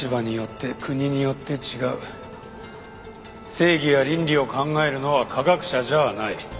正義や倫理を考えるのは科学者じゃない。